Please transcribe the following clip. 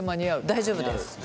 大丈夫ですです。